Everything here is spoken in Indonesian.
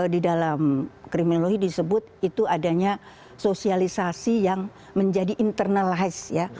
di dalam kriminologi disebut itu adanya sosialisasi yang menjadi internalized ya